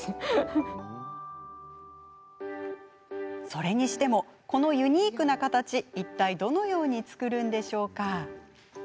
それにしてもこのユニークな形、いったいどのように作るんでしょうか？